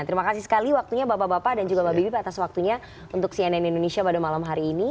terima kasih sekali waktunya bapak bapak dan juga mbak bibip atas waktunya untuk cnn indonesia pada malam hari ini